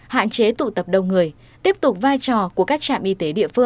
hạn chế tụ tập đông người tiếp tục vai trò của các trạm y tế